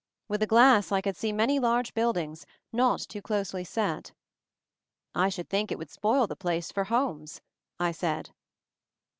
With a glass I could see many large build ings, not too closely set. "I should think it would spoil the place for homes," I said.